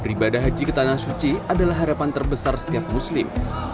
ibadah haji ke tanah suci adalah harapan terbesar setiap muslim